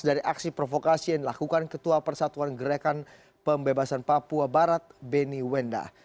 dari aksi provokasi yang dilakukan ketua persatuan gerakan pembebasan papua barat beni wenda